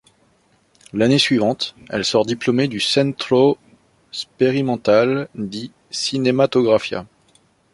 L’année suivante, elle sort diplômée du Centro sperimentale di cinematografia.